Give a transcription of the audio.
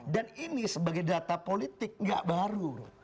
dan ini sebagai data politik nggak baru